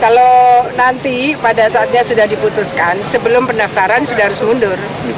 kalau nanti pada saatnya sudah diputuskan sebelum pendaftaran sudah harus mundur